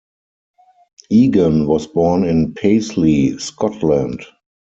Egan was born in Paisley, Scotland.